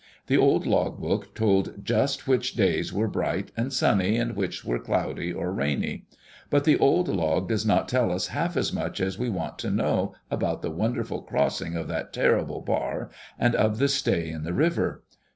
The old log book told just which days were bright and sunny and which were cloudy or rainy. But the old log does not tell us half as much as we want to know about the wonderful crossing of that terrible bar, and of the stay in the river.